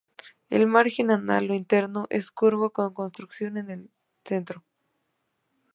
El margen anal o interno es curvo con constricción en el centro.